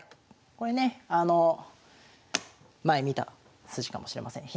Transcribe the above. これね前見た筋かもしれません。